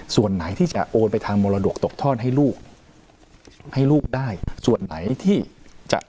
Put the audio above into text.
ส่วนไหนที่จะโอนไปทางมรดกตกทอดให้ลูกให้ลูกได้ส่วนไหนที่จะ